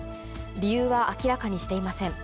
理由は明らかにしていません。